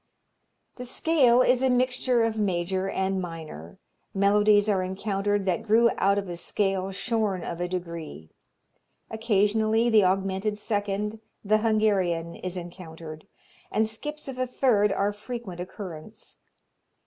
The scale is a mixture of major and minor melodies are encountered that grew out of a scale shorn of a degree. Occasionally the augmented second, the Hungarian, is encountered, and skips of a third are of frequent occurrence.